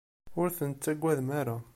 Ur tent-tettagadem ara.